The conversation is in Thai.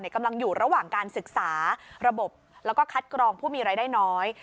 กำลังอยู่ระหว่างการศึกษาระบบแล้วก็คัดกรองผู้มีรายได้น้อย